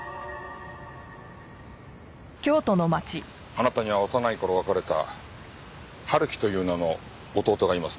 あなたには幼い頃別れた春樹という名の弟がいますね？